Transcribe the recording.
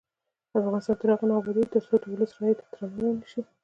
افغانستان تر هغو نه ابادیږي، ترڅو د ولس رایې ته درناوی ونشي.